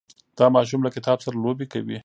دا ماشوم له کتاب سره لوبې کوي.